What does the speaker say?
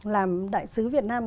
làm đại sứ việt nam